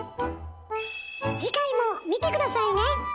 次回も見て下さいね！